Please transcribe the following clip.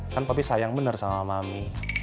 kan pepi sayang bener sama mami